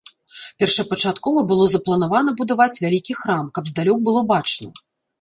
Першапачаткова было запланавана будаваць вялікі храм, каб здалёк было бачна.